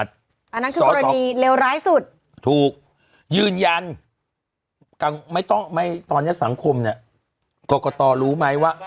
เลยจะดีเรียวร้ายสุดถูกยืนยันตั้งไม่ต้องไม่ตอนนี้สังคมเนี่ยกรกตรู้ไหมว่า